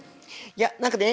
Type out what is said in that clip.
いや何かね